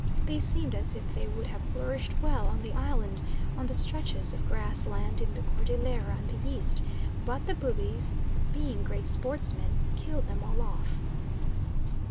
They seemed as if they would have flourished well on the island, on the stretches of grass land in the Cordillera and the East, but the Bubis, being great sportsmen, killed them all off.